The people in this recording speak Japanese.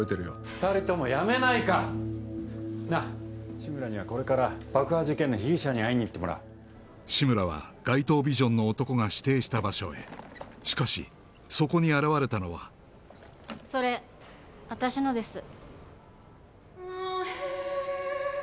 二人ともやめないかなっ志村にはこれから爆破事件の被疑者に会いにいってもらう志村は街頭ビジョンの男が指定した場所へしかしそこに現れたのはそれ私のです